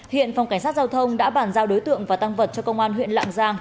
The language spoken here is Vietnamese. hiện phòng cảnh sát giao thông đã bản giao đối tượng và tăng vật cho công an huyện lạng giang